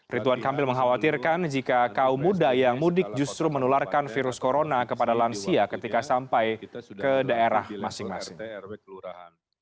rituan kamil mengkhawatirkan jika kaum muda yang mudik justru menularkan virus corona kepada lansia ketika sampai ke daerah masing masing